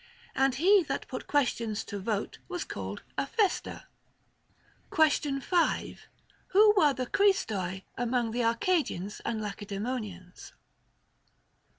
And he that put questions to vote was called Aphester. Question 5. Who were the Χρηστοί among the Arca dians and Lacedaemonians?